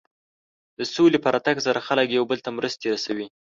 د سولې په راتګ سره خلک یو بل ته مرستې رسوي.